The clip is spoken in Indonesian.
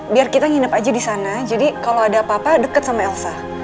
biar kita nginep aja di sana jadi kalau ada apa apa deket sama elsa